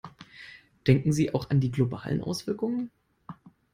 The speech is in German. Denken Sie auch an die globalen Auswirkungen.